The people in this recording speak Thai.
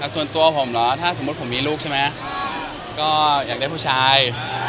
ส่วนตัวผมเหรอถ้าสมมุติผมมีลูกใช่ไหมก็อยากได้ผู้ชาย